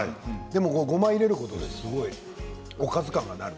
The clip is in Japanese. でもごまを入れることですごいおかず感が。